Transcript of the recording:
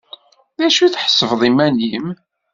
D acu tḥesbeḍ iman-im?